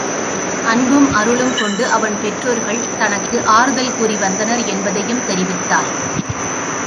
அன்பும் அருளும் கொண்டு அவன் பெற் றோர்கள் தனக்கு ஆறுதல் கூறி வந்தனர் என்பதையும் தெரிவித்தாள்.